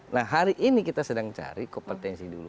nah hari ini kita sedang cari kompetensi dulu